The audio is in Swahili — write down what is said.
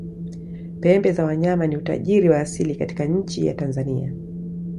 pembe za wanyama ni utajiri wa asili katika nchi ya tanzania